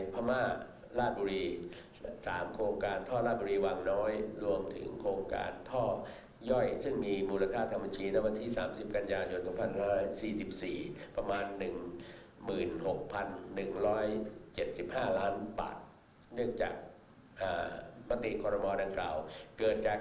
๔๔ประมาณ๑๖๑๗๕ล้านบาทเนื่องจากอ่ามติคลมดังกล่าวเกิดจาก